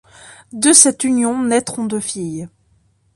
De cette union, naîtront deux filles.